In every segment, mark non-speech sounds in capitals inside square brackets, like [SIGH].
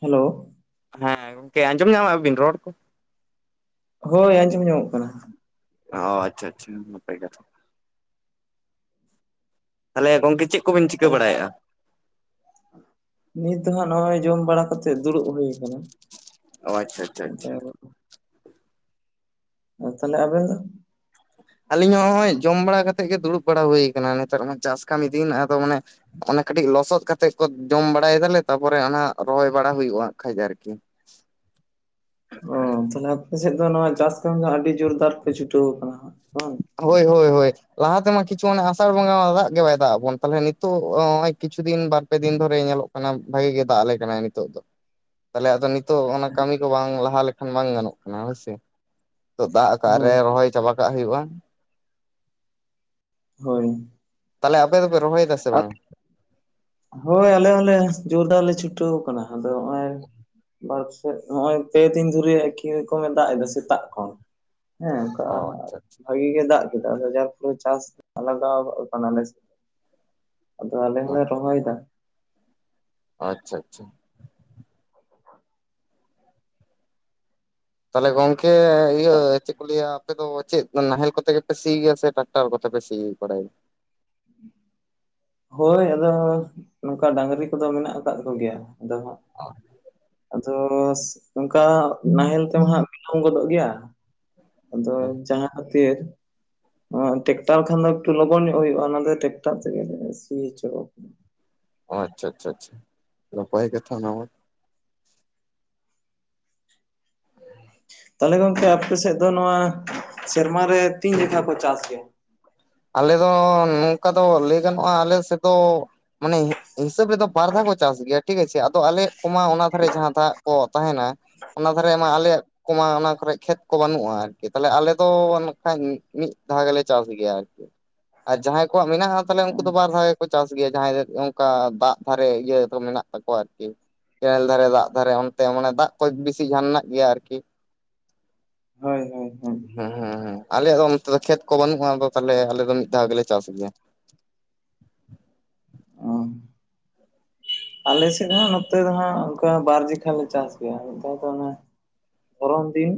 Hello ᱦᱮᱸ ᱜᱚᱢᱠᱮ ᱟᱸᱡᱚᱢ ᱧᱟᱢᱟ ᱵᱤᱱ ᱨᱚᱲ ᱠᱚ ᱦᱳᱭ ᱟᱸᱡᱚᱢ ᱧᱟᱢᱚᱜ ᱠᱟᱱᱟ ᱚ ᱟᱪᱪᱷᱟ ᱟᱪᱪᱷᱟ ᱱᱟᱯᱟᱭ ᱠᱟᱛᱷᱟ ᱛᱟᱦᱚᱞᱮ ᱜᱚᱝᱠᱮ ᱪᱮᱫ ᱠᱚᱵᱤᱱ ᱪᱤᱠᱟᱹ ᱛᱟᱦᱚᱞᱮ ᱵᱟᱲᱟᱭᱮᱫᱼᱟ ᱱᱤᱛ ᱫᱚ ᱦᱟᱸᱜ ᱱᱚᱜᱼᱚᱭ ᱡᱚᱢ ᱵᱟᱲᱟ ᱠᱟᱛᱮᱜ ᱫᱩᱲᱩᱵ ᱦᱩᱭᱩ ᱟᱠᱟᱱᱟ! ᱚ ᱟᱪᱪᱷᱟ ᱟᱪᱪᱷᱟ ᱟᱪᱪᱷᱟ ᱟ ᱛᱟᱦᱮ ᱟᱵᱮᱱ ᱫᱚ ᱟᱹᱞᱤᱧ ᱦᱚᱸ ᱱᱚᱜᱚᱭ ᱡᱚᱢ ᱵᱟᱲᱟ ᱠᱟᱛᱮᱫ ᱜᱮ ᱫᱩᱲᱩᱵ ᱵᱟᱲᱟ ᱦᱩᱭᱠ ᱱᱮᱛᱟᱨ ᱢᱟ ᱪᱟᱥ ᱠᱟᱹᱢᱤ ᱫᱤᱱ ᱟᱫᱚ ᱢᱟᱱᱮ ᱚᱱᱮ ᱠᱟᱹᱴᱤᱡ ᱞᱚᱥᱚᱫ ᱠᱟᱛᱮᱜ ᱠᱚ ᱡᱚᱢ ᱵᱟᱲᱟᱭ ᱫᱟᱞᱮ ᱛᱟᱨᱯᱚᱨᱮ ᱚᱱᱟ ᱨᱚᱦᱚᱭ ᱵᱟᱲᱟ ᱦᱩᱭᱩᱜᱼᱟ ᱠᱷᱟᱡ ᱟᱨᱠᱤ ᱚ ᱛᱟᱦᱞᱮ ᱟᱯᱮ ᱥᱮᱫ ᱫᱚ ᱱᱚᱣᱟ ᱪᱟᱥ ᱠᱟᱹᱢᱤ ᱫᱚ ᱟᱹᱰᱤ ᱡᱳᱨᱫᱟᱨ ᱠᱚ ᱪᱷᱩᱴᱟᱹᱣ ᱟᱠᱟᱱᱟ ᱵᱟᱝ ᱦᱳᱭ ᱦᱳᱭ ᱦᱳᱭ ᱞᱟᱦᱟᱛᱮᱢᱟ ᱠᱤᱪᱷᱩ ᱮ ᱟᱥᱟᱲ ᱵᱚᱸᱜᱟ ᱫᱟᱜ ᱜᱮ ᱵᱟᱭ ᱫᱟᱜ ᱟᱵᱚᱱ ᱛᱟᱦᱚᱞᱮ ᱱᱤᱛᱚᱜ ᱱᱚᱜᱼᱚᱭ ᱠᱤᱪᱷᱩ ᱫᱤᱱ ᱵᱟᱨ ᱯᱮ ᱫᱤᱱ ᱫᱷᱚᱨᱮ ᱧᱮᱞᱚᱜ ᱠᱟᱱᱟ ᱚᱱᱟ ᱵᱷᱟᱜᱤ ᱜᱮ ᱫᱟᱜ ᱟᱞᱮ ᱠᱟᱱᱟᱭ ᱱᱤᱛᱚᱜ ᱫᱚ ᱛᱟᱦᱚᱞᱮ ᱟᱫᱚ ᱛᱚ ᱚᱱᱟ ᱠᱟᱹᱢᱤ ᱠᱚ ᱵᱟᱝ ᱞᱟᱦᱟ ᱞᱮᱠᱷᱟᱱ ᱵᱟᱝ ᱜᱟᱱᱚᱜ ᱠᱟᱱᱟ ᱦᱳᱭᱥᱮ ᱫᱟᱜ ᱟᱠᱟᱜ ᱨᱮ ᱦᱳᱭ ᱨᱚᱦᱚᱭ ᱪᱟᱵᱟ ᱠᱟᱜ ᱦᱩᱭᱩᱜᱼᱟ ᱦᱳᱭ ᱛᱟᱦᱚᱞᱮ ᱟᱯᱮ ᱫᱚᱯᱮ ᱨᱚᱦᱚᱭ ᱮᱫᱟᱥᱮ ᱦᱳᱭ ᱟᱞᱮ ᱦᱚᱸᱞᱮ ᱡᱳᱨᱫᱟᱨ ᱞᱮ ᱪᱷᱩᱴᱟᱹᱣ ᱟᱠᱟᱱᱟ ᱟᱫᱚ ᱱᱚᱜᱼᱭ ᱵᱟᱥ ᱱᱚᱜᱼᱚᱭ ᱯᱮ ᱫᱤᱱ ᱫᱷᱚᱨᱮ ᱮᱠᱷᱤ ᱠᱚᱠᱚᱢᱮ ᱫᱟᱜ ᱮᱫᱟ ᱥᱮᱛᱟᱜ ᱠᱷᱚᱱ ᱦᱮᱸ ᱚᱱᱠᱟ ᱚ ᱟᱪᱪᱷᱟ ᱵᱷᱟᱜᱤ ᱜᱮ ᱫᱟᱜ ᱠᱮᱫᱟ ᱡᱟᱠ ᱯᱚᱨᱮ ᱪᱟᱥ ᱞᱟᱜᱟᱣ ᱠᱟᱱᱟᱞᱮ ᱟᱫᱚ ᱟᱞᱮ ᱟᱪᱪᱷᱟ ᱦᱚᱞᱮ ᱨᱚᱦᱚᱭᱮᱫᱟ ᱟᱪᱪᱷᱟ ᱟᱪᱪᱷᱟ ᱛᱟᱦᱚᱞᱮ ᱜᱚᱝᱠᱮ ᱤᱭᱟᱹ ᱪᱮᱫ ᱠᱚ ᱞᱟᱹᱭᱟ ᱟᱯᱮ ᱫᱚ ᱪᱮᱫ ᱱᱟᱦᱮᱞ ᱠᱚᱛᱮ ᱜᱮᱯᱮ ᱥᱤᱭᱟ ᱥᱮ ᱴᱟᱠᱴᱟᱨ ᱠᱚᱛᱮ ᱯᱮ ᱥᱤ ᱵᱟᱲᱟᱭᱟ ᱦᱮᱸ [INAUDIBLE] ᱦᱳᱭ ᱟᱫᱚ ᱱᱚᱝᱠᱟ ᱰᱟᱹᱝᱨᱤ ᱠᱚᱫᱚ ᱢᱮᱱᱟᱜ ᱟᱠᱟᱫ ᱠᱚᱜᱮᱭᱟ ᱟᱫᱚ ᱦᱟᱸᱜ ᱚ ᱟᱫᱚ ᱚᱱᱠᱟ ᱱᱟᱦᱮᱞ ᱛᱮᱢᱟ ᱦᱟᱜ ᱵᱤᱞᱚᱢ ᱜᱚᱫᱚᱜ ᱜᱮᱭᱟ ᱟᱫᱚ ᱡᱟᱦᱟᱸ ᱴᱮᱠᱴᱟᱨ ᱠᱷᱟᱱ ᱫᱚ ᱞᱚᱜᱚᱱ ᱧᱚᱜ ᱦᱩᱭᱩᱜ-ᱟ ᱚᱱᱟ ᱴᱮᱠᱴᱟᱨ ᱨᱮᱜᱮᱞᱮ ᱥᱤᱭᱟ ᱥᱤ ᱦᱚᱪᱚ ᱠᱟᱫᱟ ᱟᱪᱪᱷᱟ ᱟᱪᱪᱷᱟ ᱟᱪᱪᱷᱟ ᱱᱟᱯᱟᱭ ᱠᱟᱛᱷᱟ ᱚᱱᱟᱢᱟ ᱛᱟᱦᱚᱞᱮ ᱜᱚᱝᱠᱮ ᱟᱯᱮ ᱥᱮᱫ ᱫᱚ ᱱᱚᱣᱟ ᱥᱮᱨᱢᱟ ᱨᱮ ᱛᱤᱱ ᱞᱮᱠᱟ ᱠᱚ ᱪᱟᱥ ᱜᱮᱭᱟ ᱟᱞᱮ ᱫᱚ ᱱᱚᱝᱠᱟ ᱫᱚ ᱞᱟᱹᱭ ᱜᱟᱱᱚᱜ-ᱟ ᱟᱞᱮ ᱥᱮᱫ ᱫᱚ ᱢᱟᱱᱮ, ᱦᱤᱥᱟᱹᱵᱽ ᱨᱮ ᱫᱚ ᱵᱟᱨ ᱫᱷᱟᱣ ᱠᱚ ᱪᱟᱥ ᱜᱤᱭᱟ ᱴᱷᱤᱠ ᱟᱪᱷᱮ ᱟᱫᱚ ᱟᱞᱮ ᱠᱚᱢᱟ ᱚᱱᱟ ᱫᱷᱟᱨᱮ ᱡᱟᱦᱟᱸ ᱫᱷᱟᱜ ᱠᱚ ᱛᱟᱦᱮᱱᱟ ᱚᱱᱟ ᱫᱷᱟᱨᱮ ᱢᱟ ᱟᱞᱮᱭᱟᱜ ᱠᱚᱢᱟ ᱚᱱᱟ ᱠᱚᱨᱮ ᱠᱷᱮᱛ ᱠᱚ ᱵᱟᱹᱱᱩᱜ-ᱟ ᱟᱨᱠᱤ ᱛᱟᱦᱚᱞᱮ ᱟᱞᱮ ᱫᱚ ᱚᱝ ᱠᱷᱟᱱᱡ ᱢᱤᱫ ᱫᱷᱟᱣ ᱜᱮᱞᱮ ᱪᱟᱥ ᱜᱮᱭᱟ ᱟᱨᱠᱤ ᱟᱨ ᱡᱟᱦᱟᱸᱭ ᱠᱚᱣᱟᱜ ᱢᱮᱱᱟᱜ-ᱟ ᱛᱟᱦᱚᱞᱮ ᱩᱱᱠᱩ ᱫᱚ ᱵᱟᱨ ᱫᱷᱟᱣ ᱮ ᱠᱚ ᱪᱟᱥ ᱜᱮᱭᱟ ᱡᱟᱦᱟᱸᱭ ᱫᱚ ᱚᱱᱠᱟ ᱫᱟᱜ ᱫᱷᱟᱨᱮ ᱤᱭᱟᱹ ᱫᱚ ᱢᱮᱱᱟᱜ ᱛᱟᱠᱚᱣᱟ ᱟᱨᱠᱤ ᱠᱮᱱᱮᱞ ᱫᱷᱟᱨᱮ ᱫᱟᱜ ᱫᱷᱟᱨᱮ ᱚᱱᱛᱮ ᱢᱟᱱᱮ ᱫᱟᱜ ᱠᱚ ᱵᱮᱥᱤ ᱡᱟᱦᱟᱱ ᱢᱮᱱᱟᱜ ᱜᱮᱭᱟ ᱟᱨᱠᱤ ᱦᱳᱭ ᱦᱳᱭ ᱦᱳᱭ ᱦᱮᱸ ᱦᱮᱸ ᱦᱮᱸ ᱟᱞᱮᱭᱟᱜ ᱫᱚ ᱚᱱᱛᱮ ᱠᱷᱮᱛ ᱠᱚ ᱵᱟᱹᱱᱩᱜ-ᱟ ᱟᱫᱚ ᱛᱟᱦᱞᱮ ᱟᱞᱮ ᱫᱚ ᱢᱤᱫ ᱫᱷᱟᱣ ᱜᱮᱞᱮ ᱪᱟᱥ ᱜᱮᱭᱟ ᱚ ᱟᱞᱮᱥᱮᱫ ᱦᱚᱸ ᱱᱚᱛᱮ ᱫᱚ ᱦᱥᱜ ᱚᱱᱠᱟ ᱵᱟᱨᱡᱮᱜᱷᱟ ᱞᱮ ᱪᱟᱥ ᱜᱮᱭᱟ ᱱᱮᱛᱟᱨ ᱫᱚ ᱚᱱᱮ ᱯᱚᱨᱚᱢ ᱫᱤᱱ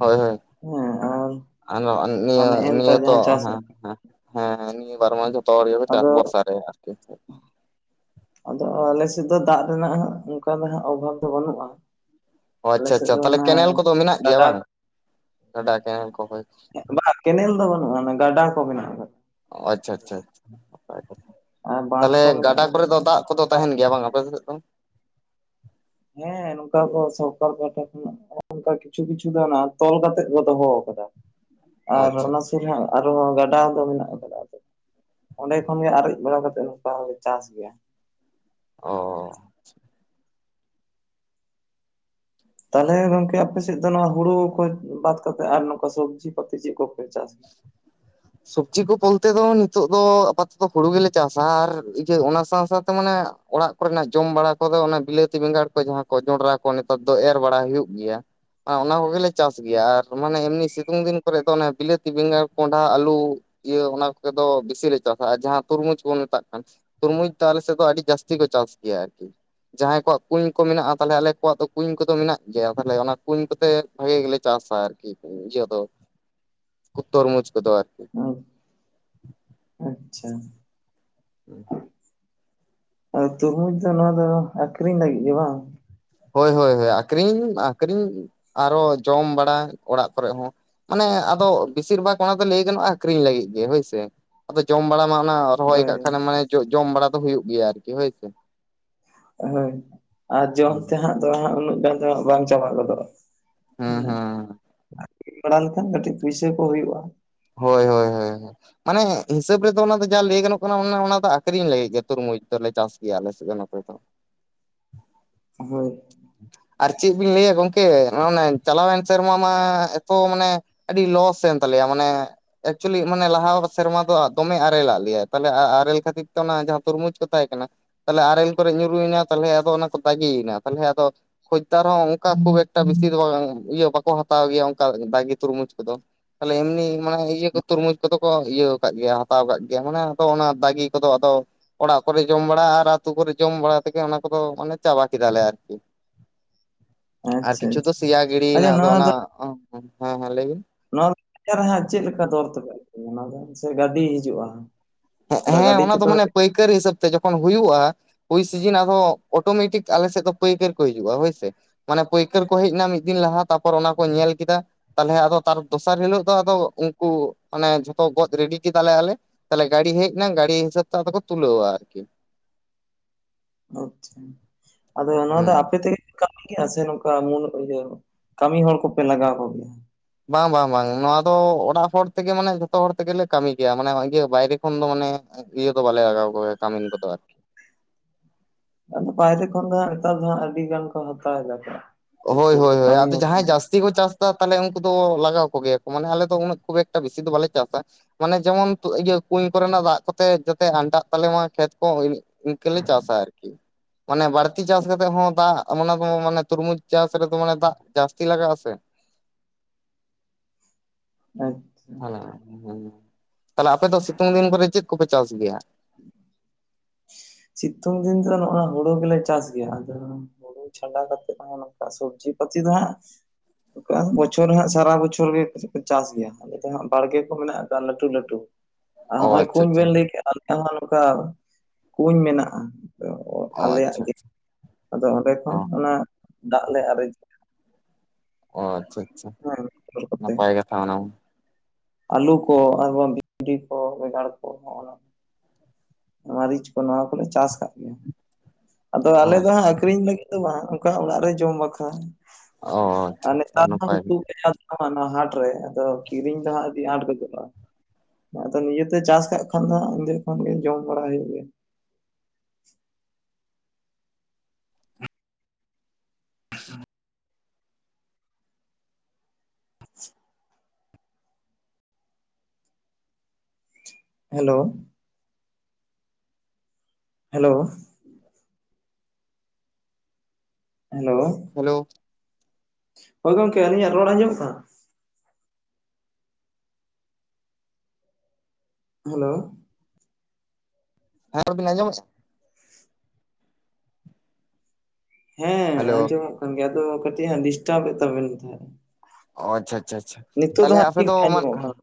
ᱦᱳᱭ ᱦᱳᱭ ᱦᱮᱸ ᱟᱨ ᱟᱨ ᱱᱤᱭᱟᱹ ᱱᱮᱜᱼᱮ ᱱᱮᱛᱟᱨ ᱱᱤᱭᱟᱹ ᱛᱚ ᱡᱟᱦᱟᱸ ᱦᱮᱸ ᱪᱟᱥ ᱦᱩᱭᱩᱜ ᱦᱮᱸ ᱦᱮᱸ ᱦᱮᱸ ᱱᱤᱭᱟᱹ ᱵᱟᱨ ᱢᱟᱥ ᱡᱚᱛᱚ ᱦᱚᱲ ᱜᱮ ᱪᱟᱥ ᱟᱫᱚ ᱵᱚᱨᱥᱟ ᱨᱮ ᱟᱨᱠᱤ ᱟᱫᱚ ᱟᱞᱮᱥᱮᱫ ᱫᱚ ᱫᱟᱜ ᱨᱮᱱᱟᱜ ᱦᱟᱜ ᱚᱱᱠᱟ ᱫᱚ ᱦᱟᱸᱜ ᱚᱵᱷᱟᱵᱽ ᱫᱚ ᱵᱟᱹᱱᱩᱜ-ᱟ᱾ ᱟᱪᱪᱷᱟ ᱟᱪᱪᱷᱟ ᱛᱟᱦᱞᱮ ᱠᱮᱱᱮᱞ ᱠᱚ ᱫᱚ ᱢᱮᱱᱟᱜ ᱜᱮᱭᱟ ᱜᱟᱰᱟ ᱵᱟᱝ ᱜᱟᱰᱟ ᱠᱮᱱᱮᱞ ᱠᱚ ᱵᱟᱝ ᱠᱮᱱᱮᱞ ᱫᱚ ᱵᱟᱹᱱᱩᱜ-ᱟ ᱜᱟᱰᱟ ᱠᱚ ᱢᱮᱱᱟᱜ ᱟᱠᱟᱫᱟ ᱳ ᱟᱪᱪᱷᱟ ᱟᱪᱪᱷᱟ ᱱᱟᱯᱟᱭᱜᱮ ᱟᱨ ᱵᱟᱸᱫᱷ ᱛᱟᱦᱚᱞᱮ ᱠᱚ ᱢᱮᱱᱟᱜ ᱜᱟᱰᱟ ᱠᱚᱨᱮ ᱫᱚ ᱫᱟᱜ ᱠᱚ ᱫᱚ ᱟᱠᱟᱫᱟ ᱛᱟᱦᱮᱱ ᱜᱮᱭᱟ ᱵᱟᱝ ᱟᱯᱮ ᱠᱚᱥᱮᱫ ᱫᱚ ᱦᱮᱸ ᱱᱚᱝᱠᱟ ᱠᱚ ᱥᱚᱨᱠᱟᱨ ᱯᱟᱦᱴᱟ ᱠᱷᱚᱱᱟᱜ ᱚᱱᱠᱟ ᱠᱤᱪᱷᱩ ᱠᱤᱪᱷᱩ ᱫᱚ ᱱᱟᱦᱟᱜ ᱛᱚᱞ ᱠᱟᱛᱮᱜ ᱠᱚ ᱫᱚᱦᱚ ᱟᱠᱟᱫᱟ ᱚ ᱟᱨ ᱟᱪᱪᱷᱟ ᱚᱱᱟ ᱥᱩᱨ ᱨᱮ ᱦᱟᱜ ᱟᱨᱦᱚᱸ ᱜᱟᱰᱟ ᱫᱚ ᱢᱮᱱᱟᱜ ᱠᱟᱫᱟ ᱚᱸᱰᱮ ᱠᱷᱚᱱ ᱜᱮ ᱟᱨᱮᱡ ᱵᱟᱲᱟ ᱠᱟᱛᱮ ᱱᱚᱝᱠᱟ ᱦᱚᱸᱞᱮ ᱪᱟᱥ ᱜᱮᱭᱟ ᱳᱻ ᱛᱟᱦᱚᱞᱮ ᱜᱚᱝᱠᱮ ᱟᱯᱮ ᱥᱮᱫ ᱫᱚ ᱱᱚᱣᱟ ᱦᱩᱲᱩ ᱠᱚ ᱵᱟᱫ ᱠᱟᱛᱮᱫ ᱟᱨ ᱱᱚᱝᱠᱟ ᱥᱚᱵᱡᱤ ᱠᱚᱛᱮ ᱪᱮᱫ ᱠᱚᱯᱮ ᱪᱟᱥᱟ ᱥᱚᱵᱡᱤ ᱠᱚ ᱵᱚᱞᱛᱮ ᱫᱚ ᱱᱤᱛᱚᱜ ᱫᱚ ᱟᱯᱟᱛᱚᱛᱚ ᱦᱩᱲᱩ ᱜᱮᱞᱮ ᱪᱟᱥᱟ ᱟᱨ ᱤᱭᱟᱹ ᱚᱱᱟ ᱥᱟᱶ ᱥᱟᱶᱛᱮ ᱢᱟᱱᱮ ᱚᱲᱟᱜ ᱠᱚᱨᱮ ᱱᱟᱜ ᱡᱚᱢ ᱵᱟᱲᱟ ᱠᱚ ᱫᱚ ᱚᱱᱟ ᱵᱤᱞᱟᱹᱛᱤ ᱵᱮᱸᱜᱟᱲ ᱠᱚ ᱡᱟᱦᱟᱸ ᱠᱚ ᱡᱚᱸᱰᱨᱟ ᱠᱚ ᱱᱮᱛᱟᱨ ᱫᱚ ᱮᱨ ᱵᱟᱲᱟ ᱦᱩᱭᱩᱜ ᱜᱮᱭᱟ ᱟ ᱚᱱᱟ ᱠᱚᱜᱮᱞᱮ ᱪᱟᱥ ᱜᱮᱭᱟ ᱟᱨ ᱢᱟᱱᱮ ᱮᱢᱱᱤ ᱥᱤᱛᱩᱝ ᱫᱤᱱ ᱠᱚᱨᱮ ᱫᱚ ᱚᱱᱮ ᱵᱤᱞᱟᱹᱛ ᱵᱮᱸᱜᱟᱲ, ᱠᱚᱸᱰᱷᱟ, ᱟᱹᱞᱩ ᱤᱭᱟᱹ ᱚᱱᱟ ᱠᱚᱜ ᱫᱚ ᱵᱮᱥᱤ ᱞᱮ ᱪᱟᱥᱟ ᱟᱨ ᱡᱟᱦᱟᱸ ᱛᱩᱨᱢᱩᱡᱽ ᱵᱚᱱ ᱢᱮᱛᱟᱜ ᱠᱟᱱ ᱛᱩᱨᱢᱩᱡ ᱛᱟ ᱟᱞᱮ ᱥᱮᱫ ᱫᱚ ᱟᱹᱰᱤ ᱡᱟᱹᱥᱛᱤ ᱠᱚ ᱪᱟᱥ ᱜᱮᱭᱟ ᱟᱨᱠᱤ ᱡᱟᱦᱟᱸᱭ ᱠᱚᱣᱟᱜ ᱠᱩᱧ ᱠᱚ ᱢᱮᱱᱟᱜᱼᱟ ᱛᱟᱦᱚᱞᱮ ᱟᱞᱮ ᱠᱚᱣᱟᱜ ᱫᱚ ᱠᱩᱧ ᱠᱚ ᱫᱚ ᱢᱮᱱᱟᱜ ᱜᱮᱭᱟ ᱛᱟᱦᱚᱞᱮ ᱚᱱᱟ ᱠᱩᱧ ᱠᱚᱛᱮ ᱵᱷᱟᱜᱤ ᱜᱮᱞᱮ ᱪᱟᱥᱟ ᱟᱨᱠᱤ ᱤᱭᱟᱹ ᱫᱚ ᱠᱩᱛᱚᱨ ᱛᱚᱨᱢᱩᱡᱽ ᱠᱚ ᱫᱚ ᱟᱨᱠᱤ ᱟᱨ ᱟᱪᱪᱷᱟ ᱟᱨ ᱛᱩᱨᱢᱩᱡ ᱫᱚ ᱱᱚᱣᱟ ᱫᱚ ᱟᱹᱠᱷᱨᱤᱧ ᱞᱟᱹᱜᱤᱫ ᱜᱮ ᱵᱟᱝ ᱦᱳᱭ ᱦᱳᱭ ᱦᱳᱭ ᱟᱠᱷᱨᱤᱧ ᱟᱠᱠᱷᱨᱤᱧ ᱟᱨᱦᱚ ᱡᱚᱢ ᱵᱟᱲᱟ ᱚᱲᱟᱜ ᱠᱚᱨᱮ ᱦᱚᱸ ᱚᱱᱮ ᱟᱫᱚ ᱵᱮᱥᱤᱨ ᱵᱷᱟᱜᱽ ᱚᱱᱟ ᱫᱚ ᱞᱟᱹᱭ ᱜᱟᱱᱚᱜᱼᱟ ᱟᱠᱷᱨᱤᱧ ᱞᱟᱹᱜᱤᱫ ᱜᱮ ᱦᱳᱭ ᱥᱮ ᱟᱫᱚ ᱡᱚᱢ ᱵᱟᱲᱟ ᱢᱟ ᱚᱱᱟ ᱨᱚᱦᱚᱭ ᱦᱳᱭ ᱠᱟᱜ ᱠᱷᱟᱱᱮᱢ ᱢᱟᱱᱮ ᱡᱚᱢ ᱵᱟᱲᱟ ᱫᱚ ᱦᱩᱭᱩᱜ ᱜᱮᱭᱟ ᱟᱨᱠᱤ ᱦᱳᱭ ᱦᱳᱭ ᱟᱨ ᱡᱚᱢ ᱦᱮᱸ ᱛᱮ ᱦᱟᱸᱜ ᱫᱚᱜ ᱩᱱᱟᱹᱜ ᱜᱟᱱ ᱫᱚᱦᱟᱜ ᱵᱟᱝ ᱪᱟᱵᱟ ᱜᱚᱫᱚᱜᱼᱟ ᱦᱩᱸ ᱦᱩᱸ [UNINTELLIGIBLE] ᱠᱟᱹᱴᱤᱡ ᱯᱩᱭᱥᱟᱹ ᱠᱚ ᱦᱩᱭᱩᱜᱼᱟ ᱦᱳᱭ ᱦᱳᱭ ᱦᱳᱭᱸᱸ ᱢᱟᱱᱮ ᱦᱤᱥᱟᱹᱵᱽ ᱨᱮᱫᱚ ᱚᱱᱟ ᱫᱚ ᱡᱟ ᱞᱟᱹᱭ ᱜᱟᱱᱚᱜ ᱠᱟᱱᱟ ᱚᱱᱟ ᱚᱱᱟᱫᱚ ᱟᱠᱷᱨᱤᱧ ᱞᱟᱹᱜᱤᱫ ᱜᱮ ᱛᱩᱨᱢᱩᱡ ᱫᱚᱞᱮ ᱪᱟᱥ ᱜᱮᱭᱟ ᱟᱞᱮ ᱥᱮᱫ ᱫᱚ ᱱᱚᱛᱮ ᱫᱚ ᱦᱳᱭ ᱟᱨ ᱪᱮᱫ ᱵᱤᱱ ᱞᱟᱹᱭᱟ ᱜᱚᱝᱠᱮ ᱱᱚᱜᱼᱟ ᱪᱟᱞᱟᱣᱮᱱ ᱥᱮᱨᱢᱟ ᱢᱟ ᱮᱛᱚ ᱢᱟᱱᱮ ᱟᱹᱰᱤ ᱞᱚᱥ ᱮᱱ ᱛᱟᱞᱮᱭᱼᱟ ᱢᱟᱱᱮ ᱮᱠᱪᱩᱭᱞᱤ ᱢᱟᱱᱮ ᱞᱟᱦᱟᱼᱳ ᱥᱮᱨᱢᱟ ᱫᱚ ᱫᱚᱢᱮ ᱟᱨᱮᱞ ᱟᱜ ᱞᱮᱟᱭ ᱛᱟᱦᱚᱞᱮ ᱟᱟᱨᱮᱞ ᱠᱷᱟᱹᱛᱤᱨ ᱛᱮ ᱚᱱᱟ ᱡᱟᱦᱟᱸ ᱛᱩᱨᱢᱩᱡᱽ ᱠᱚ ᱛᱟᱦᱮᱸ ᱠᱟᱱᱟ ᱛᱟᱦᱚᱞᱮ ᱟᱨᱮᱞ ᱠᱚᱨᱮ ᱧᱩᱨᱩᱭᱮᱱᱟ ᱛᱟᱦᱚᱞᱮ ᱟᱫᱚ ᱚᱱᱟ ᱠᱚ ᱫᱟᱜᱤᱭᱮᱱᱟ ᱛᱟᱦᱚᱞᱮ ᱟᱫᱚ ᱦᱳᱭᱛᱚ ᱟᱨᱦᱚᱸ ᱚᱱᱠᱟ ᱠᱩᱭ ᱮᱠᱴᱟ ᱵᱤᱥᱤ ᱫᱚ ᱤᱭᱟᱹ ᱵᱟᱠᱚ ᱦᱟᱛᱟᱣ ᱜᱮᱭᱟ ᱚᱱᱠᱟ ᱫᱟᱜᱤ ᱛᱩᱨᱢᱩᱡᱽ ᱠᱚᱫᱚ ᱛᱟᱦᱟᱞᱮ ᱮᱢᱱᱤ ᱢᱟᱱᱮ ᱤᱭᱟᱹ ᱠᱚ ᱛᱩᱨᱢᱩᱡᱽ ᱠᱚᱫᱚ ᱠᱚ ᱤᱭᱟᱹ ᱠᱟᱜ ᱜᱮᱭᱟ ᱦᱟᱛᱟᱣ ᱠᱟᱫ ᱜᱮᱭᱟ᱾ ᱢᱟᱱᱮ ᱟᱫᱚ ᱚᱱᱟ ᱫᱟᱜᱤ ᱠᱚᱫᱚ ᱟᱫᱚ ᱼᱼ ᱚᱲᱟᱜ ᱠᱚᱨᱮ ᱡᱚᱢ ᱵᱟᱲᱟ ᱟᱨ ᱟᱹᱛᱩ ᱠᱚᱨᱮ ᱡᱚᱢ ᱵᱟᱲᱟ ᱛᱮᱜᱮ ᱚᱱᱟ ᱠᱚᱫᱚ ᱢᱟᱱᱮ ᱪᱟᱵᱟ ᱠᱮᱫᱟᱞᱮ ᱟᱨᱠᱤ। ᱟᱨ ᱟᱪᱪᱷᱟ ᱠᱤᱪᱷᱩ ᱫᱚ ᱟᱪᱪᱷᱟ ᱥᱮᱭᱟ ᱜᱤᱲᱤᱭᱮᱱᱟ᱾ ᱟᱪᱪᱷᱟ ᱟᱫᱚ ᱱᱚᱣᱟ ᱚᱱᱟ ᱫᱚ ᱦᱮᱸ ᱦᱮᱸ ᱞᱟᱹᱭ ᱵᱤᱱ᱾ ᱱᱚᱣᱟ ᱫᱚ ᱵᱟᱡᱟᱨ ᱨᱮ ᱦᱟᱸᱜ ᱪᱮᱫ ᱞᱮᱠᱟ ᱫᱚᱨ ᱛᱮᱯᱮ ᱮᱢᱟ ᱚᱱᱟ ᱫᱚ ᱥᱮ ᱜᱟᱹᱰᱤ ᱦᱤᱡᱩᱜᱼᱟ ᱦᱮᱸᱜ ᱚᱱᱠᱟ ᱦᱮᱸ ᱜᱟᱹᱰᱤ ᱚᱱᱟ ᱫᱚ ᱛᱮᱯᱮ ᱢᱟᱱᱮ ᱯᱟᱹᱭᱠᱟᱹᱨᱤ ᱦᱤᱥᱟᱹᱵᱽ ᱛᱮ ᱡᱚᱠᱷᱚᱱ ᱦᱩᱭᱩᱜᱼᱟ ᱼᱼ ᱦᱩᱭ ᱥᱤᱡᱤᱱ ᱟᱫᱚ ᱚᱴᱳᱢᱮᱴᱤᱠ ᱟᱞᱮ ᱥᱮᱫ ᱫᱚ ᱯᱟᱹᱭᱠᱟᱹᱨᱤ ᱠᱚ ᱦᱤᱡᱩᱜᱼᱟ ᱦᱳᱭᱥᱮ। ᱢᱟᱱᱮ ᱯᱟᱹᱭᱠᱟᱹᱨ ᱠᱚ ᱦᱮᱡ ᱮᱱᱟ ᱢᱤᱫ ᱫᱤᱱ ᱞᱟᱦᱟ ᱛᱟᱨᱯᱚᱨ ᱚᱱᱟ ᱠᱚ ᱧᱮᱞ ᱠᱮᱫᱟ᱾ ᱛᱟᱦᱟᱞᱮ ᱟᱫᱚ ᱛᱟᱨ ᱫᱚᱥᱟᱨ ᱦᱤᱞᱳᱜ ᱫᱚ ᱟᱫᱚ ᱩᱱᱠᱩ ᱢᱟᱱᱮ ᱡᱷᱚᱛᱚ ᱜᱚᱫ ᱨᱮᱰᱤ ᱠᱮᱫᱟᱞᱮ ᱟᱞᱮ। ᱜᱟᱹᱲᱤ ᱦᱮᱡ ᱮᱱᱟ ᱜᱟᱹᱲᱤ ᱦᱤᱥᱟᱹᱵᱽ ᱛᱮ ᱟᱫᱚ ᱠᱚ ᱛᱩᱞᱟᱹᱣᱟ ᱟᱨᱠᱤ। ᱟᱪᱪᱷᱟ ᱟᱫᱚ ᱱᱚᱣᱟ ᱫᱚ ᱦᱮᱸ ᱟᱯᱮ ᱛᱮ ᱼᱼ ᱠᱟᱹᱢᱤ ᱜᱮᱭᱟ ᱥᱮ ᱱᱚᱝᱠᱟ ᱢᱩᱞ ᱤᱭᱟᱹ ᱠᱟᱹᱢᱤ ᱦᱚᱲ ᱠᱚ ᱯᱮ ᱞᱟᱜᱟᱣ ᱠᱚ ᱜᱮᱭᱟ ᱵᱟᱝ ᱵᱟᱝ ᱵᱟᱝ ᱱᱚᱣᱟ ᱫᱚ ᱚᱲᱟᱜ ᱦᱚᱲ ᱛᱮᱜᱮ ᱢᱟᱱᱮ ᱡᱷᱚᱛᱚ ᱦᱚᱲ ᱛᱮᱜᱮ ᱞᱮ ᱠᱟᱹᱢᱤ ᱜᱮᱭᱟ ᱢᱟᱱᱮ ᱤᱭᱟᱹ ᱵᱟᱭᱨᱮ ᱠᱷᱚᱱ ᱫᱚ ᱢᱟᱱᱮ ᱤᱭᱟᱹ ᱠᱚ ᱵᱟᱞᱮ ᱞᱟᱜᱟᱣ ᱠᱚ ᱜᱮᱭᱟ᱾ ᱠᱟᱢᱤᱱ ᱠᱚᱫᱚ ᱟᱨᱠᱤ। ᱟᱫᱚ ᱵᱟᱭᱨᱮ ᱠᱷᱚᱱ ᱫᱚ ᱦᱟᱸᱜ ᱱᱮᱛᱟᱨ ᱫᱚ ᱦᱟᱸᱜ ᱟᱹᱰᱤ ᱜᱟᱱ ᱠᱚ ᱦᱟᱛᱟᱣ ᱮᱫᱟ ᱠᱚ। ᱦᱳᱭ ᱩᱱᱠᱩ ᱦᱳᱭ ᱦᱳᱭ ᱠᱟᱹᱢᱤ ᱟᱫᱚ ᱦᱚᱲ ᱡᱟᱦᱟᱸᱭ ᱡᱟᱥᱛᱤ ᱠᱚ ᱪᱟᱥ ᱼᱼ ᱟ ᱛᱟᱦᱟᱞᱮ ᱩᱱᱠᱩ ᱫᱚ ᱞᱟᱜᱟᱣ ᱠᱚᱜᱮᱭᱟ ᱠᱚ᱾ ᱢᱟᱱᱮ ᱟᱞᱮ ᱫᱚ ᱩᱱᱟᱹᱜ ᱠᱷᱩᱵᱽ ᱮᱠᱴᱟ ᱵᱮᱥᱤ ᱫᱚ ᱵᱟᱞᱮ ᱪᱟᱥᱟ। ᱢᱟᱱᱮ ᱡᱮᱢᱚᱱ ᱛᱚ ᱤᱭᱟᱹ ᱠᱩᱧ ᱠᱚᱨᱮᱱᱟᱜ ᱫᱟᱜ ᱠᱚᱛᱮ ᱡᱟᱛᱮ ᱟᱱᱴᱟᱜ ᱛᱟᱞᱮ ᱢᱟ ᱠᱷᱮᱛ ᱠᱚ। ᱤᱱᱠᱟᱹᱞᱮ ᱪᱟᱥᱟ ᱟᱨᱠᱤ᱾ ᱢᱟᱱᱮ ᱵᱟᱹᱲᱛᱤ ᱪᱟᱥ ᱠᱟᱛᱮᱫ ᱦᱚᱸ ᱫᱟᱜ ᱟᱢ ᱚᱱᱟ ᱠᱚᱢᱟ ᱢᱟᱱᱮ ᱛᱩᱨᱢᱩᱡᱽ ᱼᱼ ᱪᱟᱥ ᱨᱮ ᱫᱚ ᱢᱟᱱᱮ ᱫᱟᱜ ᱡᱟᱹᱥᱛᱤ ᱞᱟᱜᱟᱜ ᱟ ᱥᱮ᱾ ᱟᱪᱪᱷᱟ ᱦᱮᱸ ᱦᱮᱸ ᱛᱟᱞᱦᱮ ᱟᱯᱮ ᱫᱚ ᱥᱤᱛᱩᱝ ᱫᱤᱱ ᱯᱚᱨᱮ ᱪᱮᱫ ᱼᱼ ᱯᱮ [UNINTELLIGIBLE] ᱪᱟᱥ ᱜᱮᱭᱟ? ᱥᱤᱛᱩᱝ ᱫᱤᱱ ᱛᱚ ᱱᱚᱜᱼᱚᱭ ᱦᱩᱲᱩ ᱜᱮᱞᱮ ᱪᱟᱥ ᱜᱮᱭᱟ᱾ ᱟᱫᱚ ᱼᱼ ᱦᱩᱲᱩ ᱪᱷᱟᱰᱟ ᱠᱟᱛᱮᱫ ᱱᱚᱝᱠᱟ ᱥᱚᱵᱽᱡᱤ ᱯᱟᱹᱛᱤ [UNINTELLIGIBLE] ᱫᱚ ᱦᱟᱸᱜ [INAUDIBLE] ᱵᱚᱪᱷᱚᱨ ᱦᱟᱸᱜ ᱥᱟᱨᱟ ᱵᱚᱪᱷᱚᱨ ᱜᱮ ᱪᱟᱥ ᱜᱮᱭᱟ ᱟᱞᱮ ᱫᱚ ᱦᱟᱸᱜ ᱵᱟᱲᱜᱮ ᱠᱚ ᱢᱮᱱᱟᱜ ᱠᱟᱜᱼᱟ ᱞᱟᱹᱴᱩ ᱞᱟᱹᱴᱩ। ᱟᱨ ᱚ ᱦᱚᱸᱜᱼᱚᱭ ᱟᱪᱪᱷᱟ ᱠᱩᱧ ᱟᱪᱪᱷᱟ ᱵᱮᱱ ᱞᱟᱹᱭ ᱠᱮᱜᱼᱟ ᱟᱞᱮ ᱦᱚᱸ ᱱᱚᱝᱠᱟ ᱼᱼ ᱠᱩᱧ ᱢᱮᱱᱟᱜᱼᱟ ᱚ ᱟᱞᱮᱭᱟᱜ ᱟᱪᱪᱷᱟ ᱜᱮ᱾ ᱟᱫᱚ ᱚᱸᱰᱮ ᱚ ᱠᱷᱚᱱ ᱚᱱᱟ ᱼᱼ ᱫᱟᱜ ᱞᱮ ᱟᱨᱮᱡᱟ। ᱚ ᱟᱪᱪᱷᱟ ᱟᱪᱪᱷᱟ ᱦᱮᱸ ᱢᱚᱴᱚᱨ ᱠᱚᱛᱮ ᱱᱟᱯᱟᱭ ᱠᱟᱛᱷᱟ ᱚᱱᱟ ᱦᱚᱸ। ᱟᱹᱞᱩ ᱠᱚ ᱟᱨ ᱵᱟᱝ ᱵᱷᱤᱱᱰᱤ ᱠᱚ ᱵᱮᱸᱜᱟᱲ ᱠᱚ ᱦᱚᱸᱜ ᱚᱱᱟ᱾ ᱢᱟᱹᱨᱤᱪ ᱠᱚ ᱱᱚᱣᱟ ᱠᱚᱞᱮ ᱪᱟᱥ ᱟᱠᱟᱫ ᱜᱮᱭᱟ᱾ ᱟᱫᱚ ᱟᱞᱮ ᱫᱚ ᱦᱟᱸᱜ ᱟᱠᱷᱨᱤᱧ ᱞᱟᱹᱜᱤᱫ ᱼᱼ ᱫᱚ ᱵᱟᱝ ᱚᱱᱠᱟ ᱚᱲᱟᱜ ᱨᱮ ᱡᱚᱢ ᱵᱟᱠᱷᱨᱟ ᱚ ᱟᱪᱪᱷᱟ ᱟᱨ ᱟᱪᱪᱷᱟ ᱱᱮᱛᱟᱨ ᱦᱚᱸ ᱱᱟᱯᱟᱭ ᱜᱮ᱾ ᱩᱛᱩ ᱼᱼ [INAUDIBLE] ᱦᱟᱸ ᱱᱚᱣᱟ ᱦᱟᱴ ᱨᱮ ᱟᱫᱚ ᱠᱤᱨᱤᱧ ᱫᱚᱦᱟᱸᱜ ᱟᱹᱰᱤ ᱟᱸᱴ ᱜᱚᱡᱚᱜᱼᱟ [UNINTELLIGIBLE] ᱟᱫᱚ ᱱᱤᱡᱮᱛᱮ ᱪᱟᱥ ᱠᱟᱜ ᱠᱷᱟᱱ ᱫᱚ ᱚᱸᱰᱮ ᱠᱷᱚᱱ ᱜᱮ ᱡᱚᱢ ᱵᱟᱲᱟ ᱦᱩᱭᱩᱜ ᱜᱮᱭᱟ। ᱟ [INAUDIBLE] [INAUDIBLE] ᱦᱮᱞᱳ ᱦᱮᱞᱳ ᱦᱮᱞᱳ ᱦᱮᱞᱳ ᱦᱳᱭ ᱜᱚᱢᱠᱮ ᱟᱹᱞᱤᱧᱟᱜ ᱨᱚᱲ ᱟᱸᱡᱚᱢᱚᱜ ᱠᱟᱱᱟ? ᱦᱮᱞᱳ ᱟᱨᱵᱤᱱ ᱟᱸᱡᱚᱢᱮᱜᱼᱟ? ᱦᱮᱸ ᱦᱮᱞᱳ ᱟᱸᱡᱚᱢᱚᱜ ᱠᱟᱱ ᱜᱮᱭᱟ ᱟᱫᱚ ᱠᱟᱹᱴᱤᱡ ᱦᱟᱸᱜ ᱰᱤᱥᱴᱟᱵ ᱮᱫ ᱛᱟᱵᱮᱱ ᱛᱟᱦᱮᱸᱜᱼᱟ। ᱚ ᱟᱪᱪᱷᱟ ᱟᱪᱪᱷᱟ ᱟᱪᱪᱷᱟ ᱛᱟᱦᱟᱞᱮ ᱦᱟᱸᱜ ᱟᱯᱮ ᱴᱷᱤᱠ ᱫᱚ ᱜᱮ ᱦᱮᱸ ᱟᱸᱡᱚᱢᱚᱜ ᱠᱟᱱᱟ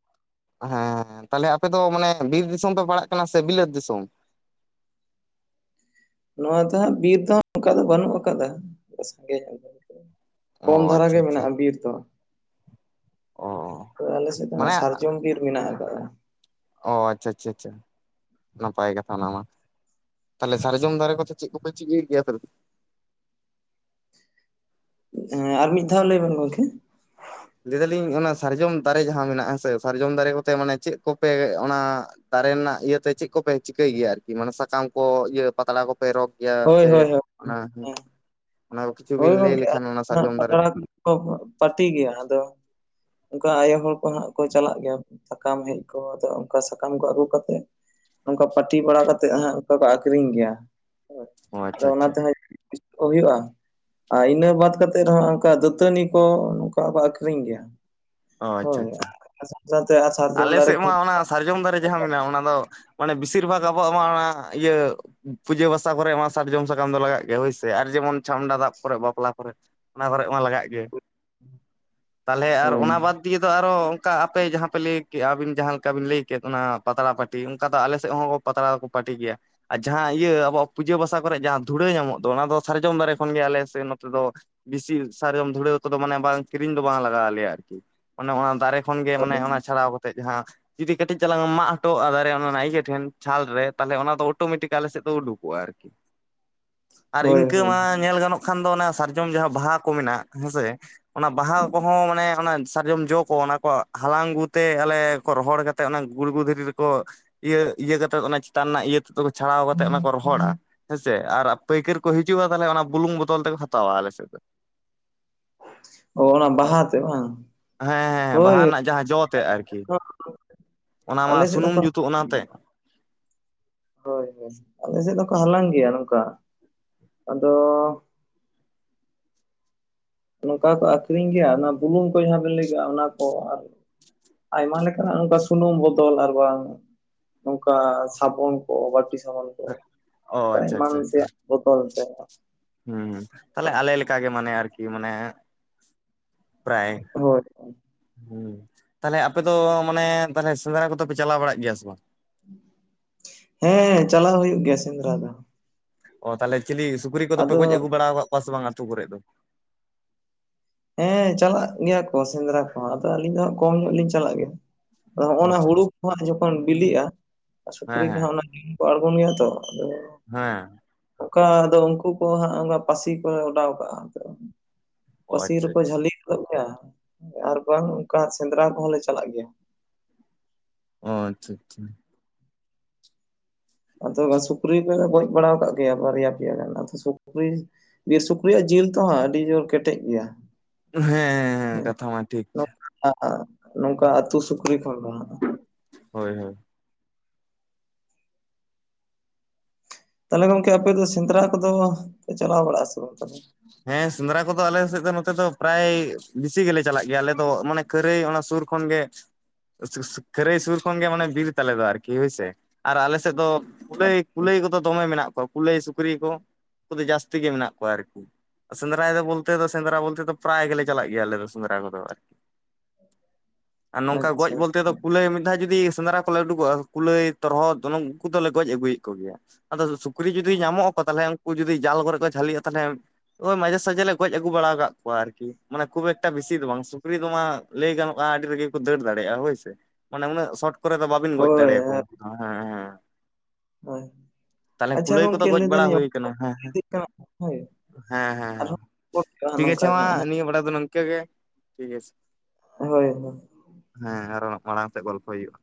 ᱛᱟᱦᱟᱞᱮ ᱟᱯᱮ ᱫᱚ ᱢᱟᱱᱮ ᱵᱤᱨ ᱫᱤᱥᱚᱢ ᱯᱮ ᱯᱟᱲᱟᱜ ᱠᱟᱱᱟ ᱥᱮ ᱵᱤᱞᱟᱹᱛ ᱫᱤᱥᱚᱢ? ᱱᱚᱣᱟ ᱫᱚ ᱦᱟᱸᱜ ᱵᱤᱨ ᱫᱚ ᱚᱱᱠᱟ ᱫᱚ ᱵᱟᱹᱱᱩᱜ ᱟᱠᱟᱫᱟ᱾ ᱥᱟᱸᱜᱮ ᱧᱚᱜ ᱫᱚ ᱟᱨᱠᱤ। ᱚ ᱠᱚᱢ ᱫᱷᱟᱨᱟ ᱟᱪᱪᱷᱟ ᱜᱮ ᱟᱪᱪᱷᱟ ᱢᱮᱱᱟᱜᱼᱟ ᱵᱤᱨ ᱫᱚ। ᱚ ᱛᱚ ᱟᱞᱮ ᱥᱮᱫ ᱫᱚ ᱚᱱᱟ ᱢᱟᱱᱮ ᱥᱟᱨᱡᱚᱢ ᱵᱤᱨ ᱢᱮᱱᱟᱜ ᱟᱠᱟᱜᱼᱟ। ᱚ ᱟᱪᱪᱷᱟ ᱟᱪᱪᱷᱟ ᱟᱪᱪᱷᱟ ᱱᱟᱯᱟᱭ ᱠᱟᱛᱷᱟ ᱚᱱᱟ ᱢᱟ। ᱛᱟᱦᱟᱞᱮ ᱥᱟᱨᱡᱚᱢ ᱫᱟᱨᱮ ᱠᱚᱛᱮ ᱪᱮᱫ ᱠᱚᱯᱮ ᱪᱤᱠᱟᱹᱭ ᱜᱮᱭᱟ ᱟᱯᱮ ᱫᱚ? ᱦᱮᱸ ᱟᱨ ᱢᱤᱫ ᱫᱷᱟᱣ ᱞᱟᱹᱭ ᱵᱮᱱ ᱜᱚᱢᱠᱮ᱾ ᱞᱟᱹᱭ ᱮᱫᱟᱞᱤᱧ ᱚᱱᱟ ᱥᱟᱨᱡᱚᱢ ᱫᱟᱨᱮ ᱡᱟᱦᱟᱸ ᱢᱮᱱᱟᱜᱼᱟ ᱦᱮᱸᱥᱮ ᱥᱟᱨᱡᱚᱢ ᱫᱟᱨᱮ ᱠᱚᱛᱮ ᱢᱟᱱᱮ ᱪᱮᱫ ᱠᱚᱯᱮ ᱚᱱᱟ ᱼᱼ ᱫᱟᱨᱮ ᱨᱮᱱᱟᱜ ᱤᱭᱟᱹᱛᱮ ᱪᱮᱫ ᱠᱚᱯᱮ ᱪᱤᱠᱟᱹᱭ ᱜᱮᱭᱟ ᱟᱨᱠᱤ ᱢᱟᱱᱮ ᱥᱟᱠᱟᱢ ᱠᱚ ᱤᱭᱟᱹ ᱯᱟᱛᱲᱟ ᱠᱚᱯᱮ ᱨᱚᱜᱽ ᱜᱮᱭᱟ ᱦᱳᱭ ᱥᱮ ᱦᱳᱭ ᱦᱳᱭ᱾ ᱚᱱᱟ ᱦᱮᱸ ᱚᱱᱟ ᱠᱤᱪᱷᱩ ᱦᱳᱭ ᱵᱤᱱ ᱞᱟᱹᱭ ᱜᱚᱝᱠᱮ ᱞᱮᱠᱷᱟᱱ ᱟᱞᱮ ᱚᱱᱟ ᱦᱟᱸᱜ ᱥᱟᱨᱡᱚᱢ ᱫᱟᱨᱮ ᱯᱟᱛᱲᱟ ᱛᱮ? ᱯᱟᱹᱴᱤ ᱜᱮᱭᱟ ᱟᱫᱚ ᱚᱱᱠᱟ ᱟᱭᱳ ᱦᱚᱲ ᱠᱚ ᱦᱟᱸᱜ ᱠᱚ ᱪᱟᱞᱟᱜ ᱜᱮᱭᱟ ᱥᱟᱠᱟᱢ ᱦᱮᱡ ᱠᱚ ᱟᱫᱚ ᱚᱱᱠᱟ ᱥᱟᱠᱟᱢ ᱠᱚ ᱟᱹᱜᱩ ᱠᱟᱛᱮᱜ ᱱᱚᱝᱠᱟ ᱯᱟᱹᱴᱤ ᱵᱟᱲᱟ ᱠᱟᱛᱮᱫ ᱦᱟᱸᱜ ᱚᱱᱠᱟ ᱠᱚ ᱟᱠᱷᱨᱤᱧ ᱜᱮᱭᱟ ᱾ ᱦᱳᱭ ᱚ ᱟᱪᱪᱷᱟ ᱟᱫᱚ ᱚᱱᱟ ᱟᱪᱪᱷᱟ ᱛᱮᱦᱚᱸ ᱦᱩᱭᱩᱜᱼᱟ ᱟᱨ ᱤᱱᱟᱹ ᱵᱟᱫ ᱠᱟᱛᱮᱫ ᱨᱮᱦᱚᱸ ᱚᱱᱠᱟ ᱫᱟᱹᱛᱟᱹᱱᱤ ᱠᱚ ᱱᱚᱝᱠᱟ ᱠᱚ ᱟᱠᱷᱨᱤᱧ ᱜᱮᱭᱟ। ᱚ ᱟᱪᱪᱷᱟ ᱟᱪᱷᱟ। ᱛᱮ ᱟᱞᱮ ᱥᱮᱫ ᱢᱟ ᱚᱱᱟ ᱥᱟᱨᱡᱚᱢ ᱫᱟᱨᱮ ᱡᱟᱦᱟᱸ ᱢᱮᱱᱟᱜᱼᱟ ᱚᱱᱟ ᱫᱚ ᱢᱟᱱᱮ ᱵᱤᱥᱤᱨ ᱵᱷᱟᱜᱽ ᱟᱵᱚᱣᱟᱜ ᱢᱟ ᱚᱱᱟ ᱤᱭᱟᱹ ᱯᱩᱡᱟᱹ ᱵᱟᱥᱟ ᱠᱚᱨᱮ ᱢᱟ ᱥᱟᱨᱡᱚᱢ ᱥᱟᱠᱟᱢ ᱫᱚ ᱞᱟᱜᱟᱜ ᱜᱮᱭᱟ ᱦᱳᱭ ᱥᱮ ᱟᱨ ᱡᱮᱢᱚᱱ ᱪᱷᱟᱢᱰᱟ ᱫᱟᱜ ᱠᱚᱨᱮᱜ ᱵᱟᱯᱞᱟ ᱠᱚᱨᱮ ᱾ ᱚᱱᱟ ᱠᱚᱨᱮᱜ ᱢᱟ ᱞᱟᱜᱟᱜ ᱜᱮ ᱛᱟᱦᱚᱞᱮ ᱟᱨ ᱦᱳᱭ ᱚᱱᱟ ᱵᱟᱫ ᱫᱤᱭᱮ ᱫᱚ ᱟᱨᱚ ᱚᱱᱠᱟ ᱟᱯᱮ ᱡᱟᱦᱟᱸ ᱯᱮ ᱞᱟᱹᱭ ᱠᱮᱫᱼᱟ ᱟᱹᱵᱤᱱ ᱡᱟᱦᱟᱸ ᱞᱮᱠᱟ ᱵᱤᱱ ᱞᱟᱹᱭ ᱠᱮᱫ ᱚᱱᱟ ᱯᱟᱛᱲᱟ ᱯᱟᱹᱴᱤ ᱚᱱᱠᱟ ᱫᱚ ᱟᱞᱮ ᱥᱮᱫ ᱦᱚᱸ ᱯᱟᱛᱲᱟ ᱫᱚᱠᱚ ᱯᱟᱹᱴᱤ ᱜᱮᱭᱟ। ᱟᱨ ᱡᱟᱦᱟᱸ ᱤᱭᱟᱹ ᱟᱵᱚᱣᱟᱜ ᱯᱩᱡᱟᱹ ᱵᱟᱥᱟ ᱠᱚᱨᱮᱜ ᱡᱟᱦᱟᱸ ᱫᱷᱩᱲᱟᱹ ᱧᱟᱢᱚᱜ ᱫᱚ ᱚᱱᱟ ᱫᱚ ᱥᱟᱨᱡᱚᱢ ᱫᱟᱨᱮ ᱠᱷᱚᱱ ᱜᱮ ᱟᱞᱮ ᱥᱮ ᱱᱚᱛᱮ ᱫᱚ ᱵᱤᱥᱤ ᱥᱟᱨᱡᱚᱢ ᱫᱷᱩᱲᱟᱹ ᱠᱚᱫᱚ ᱢᱟᱱᱮ ᱵᱟᱝ ᱠᱤᱨᱤᱧ ᱫᱚ ᱵᱟᱝ ᱞᱟᱜᱟᱣ ᱟᱞᱮᱭᱟ ᱟᱨᱠᱤ ᱾ ᱚᱱᱮ ᱚᱱᱟ ᱫᱟᱨᱮ ᱠᱷᱚᱱ ᱜᱮ ᱢᱟᱱᱮ ᱦᱳᱭ ᱚᱱᱟ ᱪᱷᱟᱲᱟᱣ ᱠᱟᱛᱮᱜ ᱡᱟᱦᱟᱸ ᱡᱩᱫᱤ ᱠᱟᱹᱴᱤᱡ ᱪᱟᱞᱟᱝ ᱮᱢ ᱢᱟᱜ ᱦᱚᱴᱚ ᱚᱜᱼᱟ ᱫᱟᱨᱮ ᱚᱱᱟ ᱚᱱᱟ ᱤᱭᱟᱹ ᱴᱷᱮᱱ ᱪᱷᱟᱞ ᱨᱮ ᱛᱟᱦᱚᱞᱮ ᱚᱱᱟ ᱫᱚ ᱚᱴᱳᱢᱮᱴᱤᱠ ᱟᱞᱮ ᱥᱮᱫ ᱫᱚ ᱩᱰᱩᱠᱚᱜᱼᱟ ᱟᱨᱠᱤ ᱟᱨ ᱦᱳᱭ ᱤᱱᱠᱟᱹ ᱦᱳᱭ ᱢᱟ ᱧᱮᱞ ᱜᱟᱱᱚᱜ ᱠᱷᱟᱱ ᱫᱚ ᱚᱱᱟ ᱥᱟᱨᱡᱚᱢ ᱡᱟᱦᱟᱸ ᱵᱟᱦᱟ ᱠᱚ ᱢᱮᱱᱟᱜ ᱦᱮᱸᱥᱮ ᱚᱱᱟ ᱵᱟᱦᱟ ᱠᱚᱦᱚᱸ ᱢᱟᱱᱮ ᱚᱱᱟ ᱥᱟᱨᱡᱚᱢ ᱡᱚ ᱠᱚ ᱚᱱᱟ ᱠᱚ ᱦᱟᱞᱟᱝ ᱟᱹᱜᱩᱛ ᱛᱮ ᱟᱞᱮ ᱠᱚ ᱨᱚᱦᱚᱲ ᱠᱟᱛᱮ ᱚᱱᱟ ᱜᱩᱲᱜᱩ ᱫᱷᱤᱨᱤ ᱨᱮᱠᱚ ᱤᱭᱟᱹ ᱤᱭᱟᱹ ᱠᱟᱛᱮᱫ ᱚᱱᱟ ᱪᱮᱛᱟᱱ ᱨᱮᱱᱟᱜ ᱤᱭᱟᱹ ᱛᱮᱛ ᱠᱚ ᱪᱷᱟᱲᱟᱣ ᱠᱟᱛᱮᱫ ᱚᱱᱟ ᱠᱚ ᱨᱚᱦᱚᱲᱟ ᱦᱮᱸᱥᱮ ᱟᱨ ᱯᱟᱹᱭᱠᱟᱹᱨ ᱠᱚ ᱦᱤᱡᱩᱜᱼᱟ ᱛᱟᱦᱚᱞᱮ ᱚᱱᱟ ᱵᱩᱞᱩᱝ ᱵᱚᱫᱚᱞ ᱛᱮᱠᱚ ᱦᱟᱛᱟᱣᱟ ᱟᱞᱮ ᱥᱮᱫ ᱫᱚ ᱾ ᱚ ᱚᱱᱟ ᱵᱟᱦᱟ ᱛᱮ ᱵᱟᱝ ᱦᱮᱸ ᱦᱮᱸ ᱵᱟᱦᱟ ᱦᱳᱭ ᱨᱮᱱᱟᱜ ᱡᱟᱦᱟᱸ ᱡᱚ ᱛᱮᱫ ᱟᱨᱠᱤ ᱚᱱᱟ ᱢᱟ ᱟᱞᱮ ᱥᱮᱫ ᱫᱚᱠᱚ ᱥᱩᱱᱩᱢ ᱡᱩᱛᱩᱜ ᱚᱱᱟᱛᱮ ᱦᱳᱭ ᱦᱳᱭ ᱟᱞᱮ ᱥᱮᱫ ᱫᱚᱠᱚ ᱦᱟᱞᱟᱝ ᱜᱮᱭᱟ ᱱᱚᱝᱠᱟ ᱟᱫᱚ ᱱᱚᱝᱠᱟ ᱠᱚ ᱟᱠᱷᱨᱤᱧ ᱜᱮᱭᱟ ᱚᱱᱟ ᱵᱩᱞᱩᱝ ᱠᱚ ᱡᱟᱦᱟᱸ ᱵᱮᱱ ᱞᱟᱹᱭ ᱠᱮᱫᱼᱟ ᱚᱱᱟ ᱠᱚ ᱟᱨ ᱟᱭᱢᱟ ᱞᱮᱠᱟᱱᱟᱜ ᱚᱱᱠᱟ ᱥᱩᱱᱩᱢ ᱵᱚᱫᱚᱞ ᱟᱨ ᱵᱟᱝ ᱱᱚᱝᱠᱟ ᱥᱟᱵᱚᱱ ᱠᱚ ᱵᱟᱴᱤ ᱥᱟᱵᱚᱱ ᱠᱚ ᱚ ᱚᱱᱠᱟ ᱟᱪᱪᱷᱟ ᱮᱢᱟᱱ ᱟᱪᱪᱷᱟ ᱟᱪᱪᱷᱟ [UNINTELLIGIBLE] ᱦᱩᱸ ᱛᱟᱦᱚᱞᱮ ᱟᱞᱮ ᱞᱮᱠᱟ ᱜᱮ ᱢᱟᱱᱮ ᱟᱨᱠᱤ ᱢᱟᱱᱮ ᱯᱨᱟᱭ ᱦᱳᱭ ᱦᱩᱸ ᱛᱟᱦᱮᱞᱮ ᱟᱯᱮ ᱫᱚ ᱢᱟᱱᱮ ᱛᱟᱦᱮᱞᱮ ᱥᱮᱸᱫᱽᱨᱟ ᱠᱚᱫᱚ ᱯᱮ ᱪᱟᱞᱟᱣ ᱵᱟᱲᱟᱜ ᱜᱮᱭᱟ ᱥᱮ ᱵᱟᱝ? ᱦᱮᱸ ᱪᱟᱞᱟᱣ ᱦᱩᱭᱩᱜ ᱜᱮᱭᱟ ᱥᱮᱸᱫᱽᱨᱟ ᱫᱚ। ᱚ ᱛᱟᱦᱚᱞᱮ ᱪᱤᱞᱤ ᱥᱩᱠᱨᱤ ᱠᱚᱫᱚ ᱯᱮ ᱟᱫᱚ ᱜᱚᱡ ᱟᱹᱜᱩ ᱵᱟᱲᱟ ᱟᱠᱟᱫ ᱠᱚᱣᱟ ᱥᱮ ᱵᱟᱝ ᱟᱹᱛᱩ ᱠᱚᱨᱮᱫ ᱫᱚ? ᱦᱮᱸ ᱪᱟᱞᱟᱜ ᱜᱮᱭᱟ ᱠᱚ ᱥᱮᱸᱫᱽᱨᱟ ᱠᱚᱦᱚᱸ ᱟᱫᱚ ᱟᱹᱞᱤᱧ ᱫᱚ ᱦᱟᱸᱜ ᱠᱚᱢ ᱧᱚᱜ ᱞᱤᱧ ᱪᱟᱞᱟᱜ ᱜᱮᱭᱟ ᱟᱫᱚ ᱚ ᱱᱚᱜᱼᱚᱱᱟ ᱟᱪᱪᱷᱟ ᱦᱩᱲᱩ ᱟᱪᱪᱷᱟ ᱠᱚ ᱦᱟᱸᱜ ᱡᱚᱠᱷᱚᱱ ᱵᱤᱞᱤᱜᱼᱟ ᱥᱩᱠᱨᱤ ᱦᱮᱸ ᱠᱚᱦᱚᱸ ᱦᱮᱸ ᱚᱱᱟ ᱠᱚ ᱟᱲᱜᱳᱱ ᱜᱮᱭᱟ ᱛᱚ ᱟᱫᱚ। ᱦᱮᱸ ᱚᱱᱠᱟ ᱟᱫᱚ ᱩᱱᱠᱩ ᱠᱚ ᱦᱟᱸᱜ ᱚᱱᱠᱟ ᱯᱟᱹᱥᱤ ᱠᱚ ᱚᱰᱟᱣ ᱠᱟᱜᱼᱟ ᱟᱫᱚ, ᱚ ᱯᱟᱹᱥᱤ ᱟᱪᱪᱷᱟ ᱨᱮᱠᱚ ᱟᱪᱪᱷᱟ ᱡᱷᱟᱹᱞᱤ ᱜᱚᱫᱚᱜ ᱜᱮᱭᱟ ᱟᱨ ᱵᱟᱝ ᱚᱱᱠᱟ ᱥᱮᱸᱫᱽᱨᱟ ᱠᱚᱦᱚᱸ ᱞᱮ ᱪᱟᱞᱟᱜ ᱜᱮᱭᱟ। ᱚ ᱟᱪᱪᱷᱟ ᱟᱪᱪᱷᱟ ᱟᱫᱚ ᱥᱩᱠᱨᱤ ᱠᱚᱞᱮ ᱜᱚᱡ ᱵᱟᱲᱟ ᱠᱟᱜ ᱜᱮᱭᱟ ᱵᱟᱨᱭᱟ ᱯᱮᱭᱟ ᱜᱟᱱ ᱟᱫᱚ ᱥᱩᱠᱨᱤ, ᱵᱤᱨ ᱥᱩᱠᱨᱤᱭᱟᱜ ᱡᱤᱞ ᱛᱚ ᱦᱟᱸᱜ ᱟᱹᱰᱤ ᱡᱳᱨ ᱠᱮᱴᱮᱡ ᱜᱮᱭᱟ। ᱦᱮᱸ ᱦᱮᱸ ᱦᱮᱸ ᱠᱟᱛᱷᱟ ᱢᱟ ᱴᱷᱤᱠ [UNINTELLIGIBLE] ᱱᱚᱝᱠᱟ ᱟᱹᱛᱩ ᱥᱩᱠᱨᱤ ᱚᱸᱰᱳᱠᱚᱜᱼᱟ। ᱦᱳᱭ ᱦᱳᱭ ᱛᱟᱦᱚᱞᱮ ᱜᱚᱢᱠᱮ ᱟᱯᱮ ᱫᱚ ᱥᱮᱸᱫᱽᱨᱟ ᱠᱚᱫᱚ ᱯᱮ ᱪᱟᱞᱟᱣ ᱵᱟᱲᱟᱜ-ᱟ ᱥᱮ ᱵᱟᱝ ᱛᱟᱦᱚᱞᱮ ᱦᱮᱸ ᱥᱮᱸᱫᱽᱨᱟ ᱠᱚᱫᱚ ᱟᱞᱮ ᱥᱮᱫ ᱫᱚ ᱱᱚᱛᱮ ᱫᱚ ᱯᱨᱟᱭ ᱵᱮᱥᱤ ᱜᱮᱞᱮ ᱪᱟᱞᱟᱜ ᱜᱮᱭᱟ ᱟᱞᱮ ᱫᱚ ᱢᱟᱱᱮ ᱠᱷᱟᱹᱨᱟᱹᱭ ᱚᱱᱟ ᱥᱩᱨ ᱠᱷᱚᱱ ᱜᱮ ᱠᱷᱟᱹᱨᱟᱹᱭ ᱥᱩᱨ ᱠᱷᱚᱱᱜᱮ ᱢᱟᱱᱮ ᱵᱤᱨ ᱛᱟᱞᱮ ᱫᱚ ᱟᱨᱠᱤ ᱦᱳᱭᱥᱮ ᱟᱨ ᱟᱞᱮ ᱥᱮᱫ ᱫᱚ ᱠᱩᱞᱟᱹᱭ ᱠᱩᱞᱟᱹᱭ ᱠᱚᱫᱚ ᱫᱚᱢᱮ ᱢᱮᱱᱟᱜ ᱠᱚᱣᱟ ᱠᱩᱞᱟᱹᱭ ᱥᱩᱠᱨᱤ ᱠᱚ ᱩᱱᱠᱩᱫᱚ ᱡᱟᱹᱥᱛᱤ ᱜᱮ ᱢᱮᱱᱟᱜ ᱠᱚᱣᱟ ᱟᱨᱠᱤ ᱥᱮᱸᱫᱽᱨᱟᱭ ᱫᱚ ᱵᱚᱞᱛᱮ ᱫᱚ ᱥᱮᱸᱫᱽᱨᱟ ᱵᱚᱞᱛᱮ ᱫᱚ ᱯᱨᱟᱭ ᱜᱮᱞᱮ ᱪᱟᱞᱟᱜ ᱜᱮᱭᱟ ᱟᱞᱮ ᱫᱚ ᱥᱮᱸᱫᱽᱨᱟ ᱠᱚᱫᱚ ᱟᱨᱠᱤ ᱟᱨ ᱱᱚᱝᱠᱟ ᱟᱪᱪᱷᱟ ᱜᱚᱡ ᱵᱚᱞᱛᱮ ᱟᱪᱪᱷᱟ ᱫᱚ ᱠᱩᱞᱟᱹᱭ ᱢᱤᱫ ᱫᱷᱟᱣ ᱡᱩᱫᱤ ᱥᱮᱸᱫᱽᱨᱟ ᱠᱚᱞᱮ ᱩᱰᱩᱠᱚᱜᱼᱟ ᱠᱩᱞᱟᱹᱭ ᱛᱚᱨᱦᱚᱫ ᱚᱱᱮ ᱩᱱ ᱠᱚᱫᱚᱞᱮ ᱜᱚᱡ ᱟᱹᱜᱩᱭᱮᱫ ᱠᱚ ᱜᱮᱭᱟ ᱟᱫᱚ ᱥᱩᱠ ᱥᱩᱠᱨᱤ ᱡᱩᱫᱤ ᱧᱟᱢᱚᱜ ᱟᱠᱚ ᱛᱟᱦᱚᱞᱮ ᱩᱱᱠᱩ ᱡᱩᱫᱤ ᱡᱟᱞ ᱠᱚᱨᱮ ᱠᱚ ᱡᱷᱟᱹᱞᱤᱜᱼᱟ ᱛᱟᱦᱚᱞᱮ ᱳᱭ ᱢᱟᱡᱷᱮ ᱥᱟᱡᱷᱮ ᱞᱮ ᱜᱚᱡ ᱟᱹᱜᱩ ᱵᱟᱲᱟ ᱟᱠᱟᱫ ᱠᱚᱣᱟ ᱟᱨᱠᱤ ᱢᱟᱱᱮ ᱠᱷᱩᱵ ᱮᱠᱴᱟ ᱵᱤᱥᱤ ᱫᱚ ᱵᱟᱝ ᱥᱩᱠᱨᱤ ᱫᱚ ᱢᱟ ᱞᱟᱹᱭ ᱜᱟᱱᱚᱜᱼᱟ ᱟᱹᱰᱤ ᱨᱟ. ᱜᱤ ᱠᱚ ᱫᱟᱹᱲ ᱫᱟᱲᱮᱭᱟᱜᱼᱟ ᱦᱳᱭᱥᱮ ᱢᱟᱱᱮ ᱩᱱᱟᱹᱜ ᱥᱚᱴ ᱠᱚᱨᱮ ᱫᱚ ᱵᱟ. ᱵᱤᱱ ᱜᱚᱡ ᱦᱳᱭ ᱫᱟᱲᱮᱭᱟᱠᱚ ᱩᱱᱠᱩ ᱫᱚ ᱦᱮᱸ ᱦᱮᱸ ᱦᱳᱭ ᱛᱟᱦᱚᱞᱮ ᱟᱪᱪᱷᱟ ᱠᱩᱞᱟᱹᱭ ᱠᱚᱫᱚ ᱜᱚᱝᱠᱮ ᱜᱚᱡ ᱞᱟᱹᱭ ᱵᱟᱲᱟ ᱫᱟᱞᱤᱧ ᱦᱩᱭ ᱚᱠᱛᱚ ᱠᱟᱱᱟ ᱦᱮᱸ ᱦᱮᱸ [UNINTELLIGIBLE] [INAUDIBLE] ᱦᱮᱸ ᱦᱮᱸ ᱦᱮᱸ ᱟᱨᱦᱚᱸ ᱨᱚᱯᱚᱲ ᱦᱩᱭᱩᱜᱼᱟ ᱴᱷᱤᱠ ᱱᱚᱝᱠᱟ ᱜᱟᱪᱷᱮ ᱜᱮ ᱢᱟ ᱦᱟᱸᱜ ᱦᱮᱸ, ᱱᱤᱭᱟᱹ ᱵᱟᱲᱟ ᱫᱚ ᱱᱤᱝᱠᱟᱹ ᱜᱮ ᱴᱷᱤᱠ ᱜᱟᱪᱷᱮ ᱦᱳᱭ ᱦᱳᱭ ᱦᱮᱸ ᱟᱨᱚ ᱢᱟᱲᱟᱝ ᱥᱮᱫ ᱜᱚᱞᱯᱚ ᱦᱩᱭᱩᱜᱼᱟ